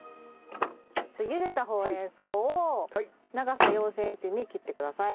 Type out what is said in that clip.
茹でたほうれん草を長さ４センチに切ってください。